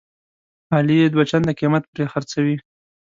علي یې دوه چنده قیمت پرې خرڅوي.